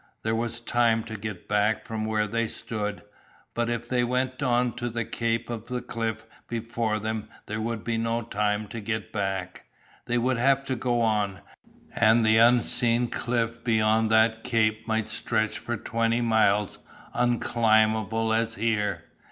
There was time to get back from where they stood, but if they went on to the cape of cliff before them there would be no time to get back, they would have to go on, and the unseen cliffs beyond that cape might stretch for twenty miles unclimbable as here.